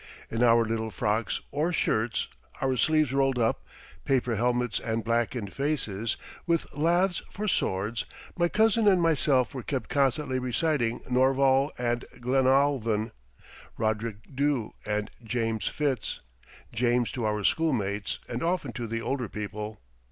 In our little frocks or shirts, our sleeves rolled up, paper helmets and blackened faces, with laths for swords, my cousin and myself were kept constantly reciting Norval and Glenalvon, Roderick Dhu and James Fitz James to our schoolmates and often to the older people.